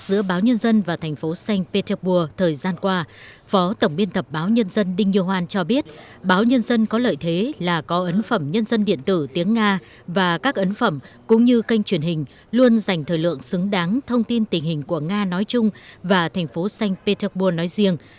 giữa báo nhân dân và thành phố sanh petersburg thời gian qua phó tổng biên tập báo nhân dân đinh như hoan cho biết báo nhân dân có lợi thế là có ấn phẩm nhân dân điện tử tiếng nga và các ấn phẩm cũng như kênh truyền hình luôn dành thời lượng xứng đáng thông tin tình hình của nga nói chung và thành phố sanh petersburg nói riêng